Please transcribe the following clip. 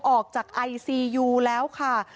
ออกจากไอซียูแล้วค่ะ